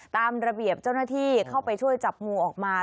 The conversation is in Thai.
ตามระเบียบเจ้าหน้าที่เข้าไปช่วยจับงูออกมา